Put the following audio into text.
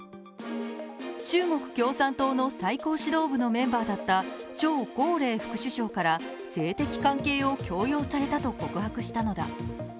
中国共産党の最高指導者部のメンバーだった張高麗副首相から性的関係を強要されたと告白したのだ。